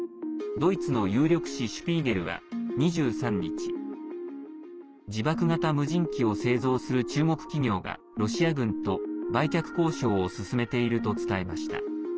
ドイツの有力誌「シュピーゲル」は、２３日自爆型無人機を製造する中国企業がロシア軍と売却交渉を進めていると伝えました。